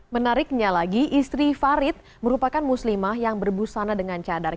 menariknya lagi istri farid merupakan muslimah yang berbusana dengan cadar